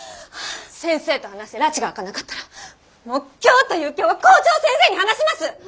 先生と話してらちが明かなかったらもう今日という今日は校長先生に話します！